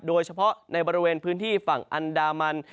โดยเฉพาะในบริเวณพื้นที่ฝั่งอันดามัน